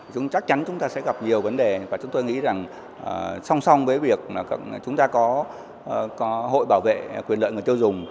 chúng chắc chắn chúng ta sẽ gặp nhiều vấn đề và chúng tôi nghĩ rằng song song với việc chúng ta có hội bảo vệ quyền lợi người tiêu dùng